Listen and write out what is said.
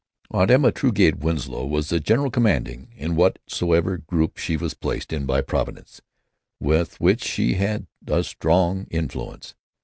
Aunt Emma Truegate Winslow was the general commanding in whatsoever group she was placed by Providence (with which she had strong influence).